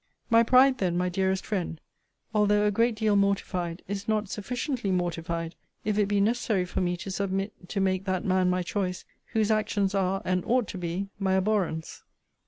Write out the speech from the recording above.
'My pride, then, my dearest friend, although a great deal mortified, is not sufficiently mortified, if it be necessary for me to submit to make that man my choice, whose actions are, and ought to be, my abhorrence!